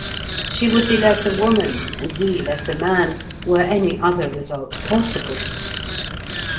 She would be less a woman, and he less a man, were any other result possible.